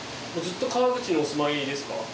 ずっと川口にお住まいですか？